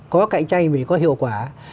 có cạnh tranh thì có hiệu quả